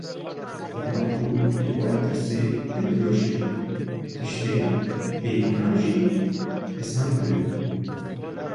Dema ku dîwarê tirsê hildiweşe, tiştên bêîmkan jî hêsan dibin.